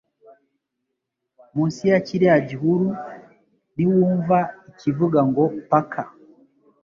munsi ya kiriya gihuru niwumva ikivuga ngo paka-